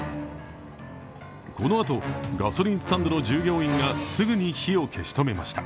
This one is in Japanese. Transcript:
このあと、ガソリンスタンドの従業員がすぐに火を消し止めました。